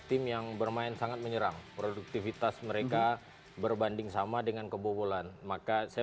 tim yang bermain sangat menyerang produktivitas mereka berbanding sama dengan kebobolan maka saya